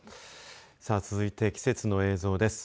続いて季節の映像です。